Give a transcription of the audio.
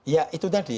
ya itu tadi